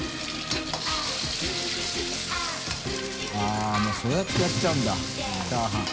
◆舛もうそうやってやっちゃうんだチャーハン。